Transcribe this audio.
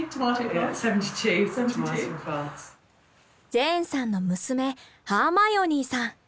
ジェーンさんの娘ハーマイオニーさん。